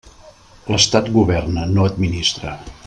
L'estat governa, no administra.